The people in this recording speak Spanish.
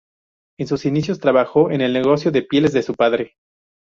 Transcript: En sus inicios trabajó en el negocio de pieles de su padre.